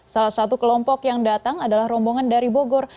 salah satu kelompok yang datang adalah rombongan dari bogor